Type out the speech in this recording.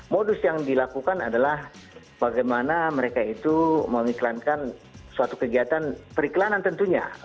modus yang dilakukan adalah bagaimana mereka itu mengiklankan suatu kegiatan periklanan tentunya